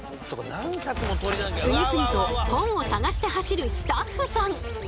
次々と本を探して走るスタッフさん。